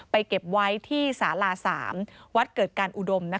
เก็บไว้ที่สาลา๓วัดเกิดการอุดม